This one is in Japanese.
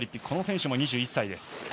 この選手も２１歳です。